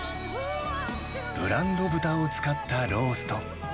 ブランド豚を使ったロースト。